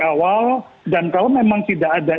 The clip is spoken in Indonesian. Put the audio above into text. awal dan kalau memang tidak ada